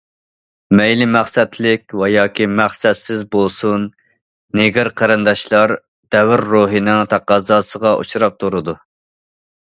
مەيلى مەقسەتلىك ۋە ياكى مەقسەتسىز بولسۇن، نېگىر قېرىنداشلار دەۋر روھىنىڭ تەقەززاسىغا ئۇچراپ تۇرىدۇ.